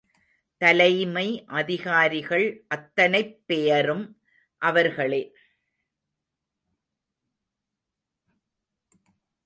தலைமை அதிகாரிகள் அத்தனைப் பெயரும் அவர்களே.